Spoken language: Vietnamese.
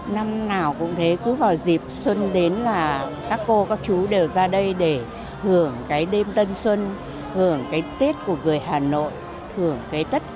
năm nào cũng thế cứ vào dịp xuân đến là các cô các chú đều ra đây để hưởng cái đêm tân xuân hưởng cái tết của người hà nội thưởng cái tết